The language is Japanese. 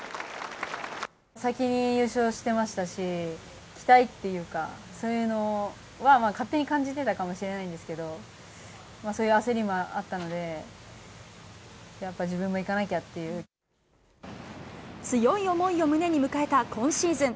先に優勝してましたし、期待っていうか、そういうのは勝手に感じてたかもしれないんですけれども、それが焦りもあったので、やっぱ自分もいかなきゃって強い思いを胸に迎えた今シーズン。